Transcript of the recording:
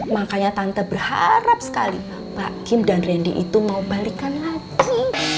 makanya tante berharap sekali pak kim dan randy itu mau balikan lagi